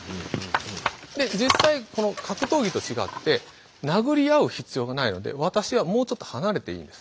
で実際この格闘技と違って殴り合う必要がないので私はもうちょっと離れていいんです。